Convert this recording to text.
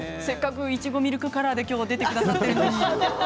せっかくいちごミルクカラーで今日は出てくださっているのに。